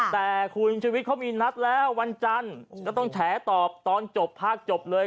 แต่คุณชีวิตเขามีนัดแล้ววันจันทร์ก็ต้องแฉตอบตอนจบภาคจบเลย